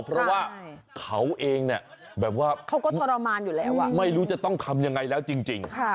เพราะว่าเขาเองเนี่ยแบบว่าเขาก็ทรมานอยู่แล้วไม่รู้จะต้องทำยังไงแล้วจริง